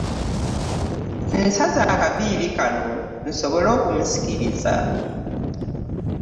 Nsaze akaviiri kano nsobole okumusikiriza.